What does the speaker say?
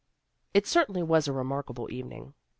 It certainly was a remarkable evening.